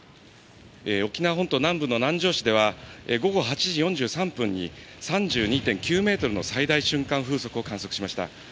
沖縄本島南部の南城市では午後８時４３分に３２．９メートルの最大瞬間風速を観測しました。